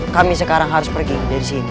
kami sekarang harus pergi dari sini